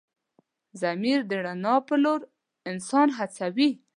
ضمیر د رڼا په لور انسان هڅوي.